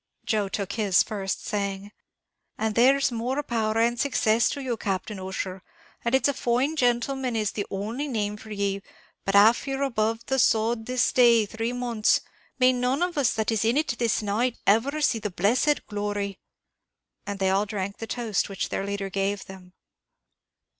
Joe took his first, saying, "And there's more power and success to you, Captain Ussher; and it's a fine gentleman is the only name for ye; but av you're above the sod this day three months, may none of us that is in it this night ever see the blessed glory!" And they all drank the toast which their leader gave them.